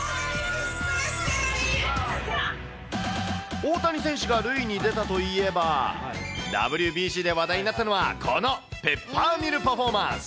大谷選手が塁に出たといえば、ＷＢＣで話題になったのは、このペッパーミルパフォーマンス。